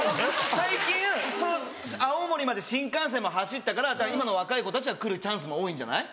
最近青森まで新幹線も走ったから今の若い子たちは来るチャンスも多いんじゃない？